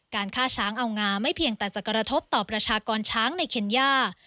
ฆ่าช้างเอางาไม่เพียงแต่จะกระทบต่อประชากรช้างในเคนย่า